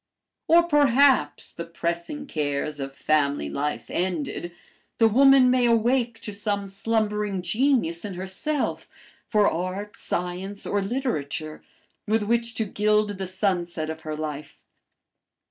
"Or, perhaps, the pressing cares of family life ended, the woman may awake to some slumbering genius in herself for art, science, or literature, with which to gild the sunset of her life.